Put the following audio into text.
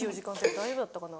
大丈夫だったかな。